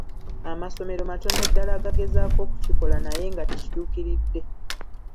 Amasomero matono ddala agagezako okukikola naye nga tekituukiridde.